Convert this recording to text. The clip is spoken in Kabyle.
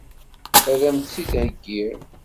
Ad m-tt-id-heggiɣ?